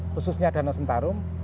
khususnya danau sentarum